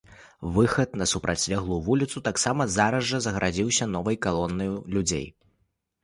Выхад на супрацьлеглую вуліцу таксама зараз жа загарадзіўся новай калонаю людзей.